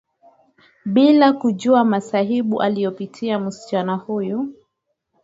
Bila kujua masaibu aliyopitia msichana huyo